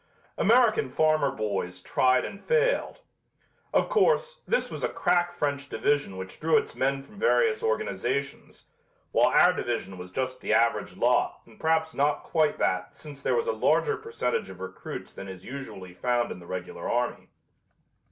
American farmer boys tried and failed. Of course, this was a crack French division which drew its men from various organizations, while our division was just the average lot and perhaps not quite that since there was a larger percentage of recruits than is usually found in the regular army.